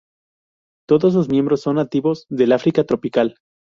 Todos sus miembros son nativos del África tropical.